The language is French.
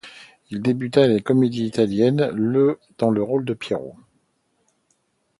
Il débuta à la Comédie-Italienne le dans le rôle de Pierrot.